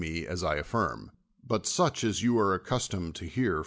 e, as I aftirm, but such as you are accustomed to hear from others.